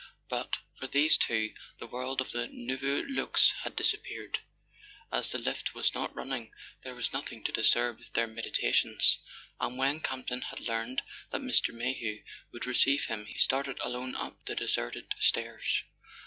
But for these two, the world of the Nouveau Luxe had disappeared. As the lift was not running there was nothing to disturb their meditations; and when Campton had learned that Mr. Mayhew would receive him he started alone up the deserted stairs.